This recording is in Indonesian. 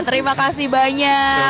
terima kasih banyak